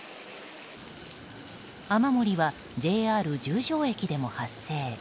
雨漏りはＪＲ十条駅でも発生。